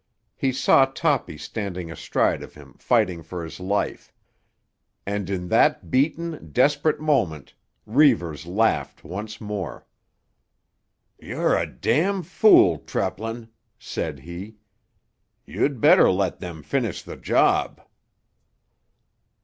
He saw Toppy standing astride of him fighting for his life. And in that beaten, desperate moment Reivers laughed once more. "You're a —— fool, Treplin," said he. "You'd better let them finish the job."